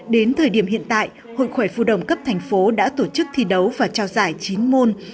đến thời điểm hiện tại hội khoẻ phù đồng tp đã tổ chức thi đấu và trao giải chín môn